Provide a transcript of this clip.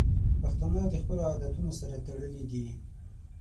پښتانه د خپلو عادتونو سره تړلي دي.